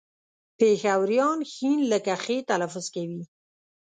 پېښوريان ښ لکه خ تلفظ کوي